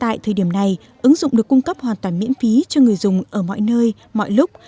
tại thời điểm này ứng dụng được cung cấp hoàn toàn miễn phí cho người dùng ở mọi nơi mọi lúc